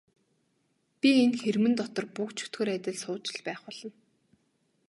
Би энэ хэрмэн дотор буг чөтгөр адил сууж л байх болно.